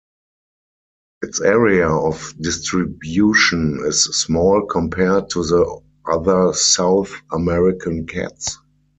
Its area of distribution is small compared to the other South American cats.